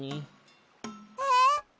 えっ。